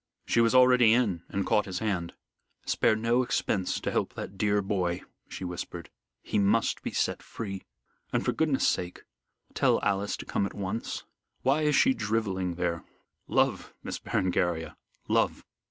She was already in and caught his hand. "Spare no expense to help that dear boy," she whispered. "He must be set free. And, for goodness sake, tell Alice to come at once. Why is she drivelling there?" "Love! Miss Berengaria, love!"